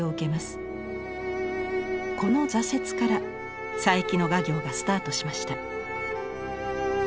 この挫折から佐伯の画業がスタートしました。